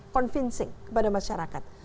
convincing kepada masyarakat